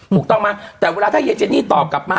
ถูกต้องไหมแต่เวลาถ้ายายเจนี่ตอบกลับมา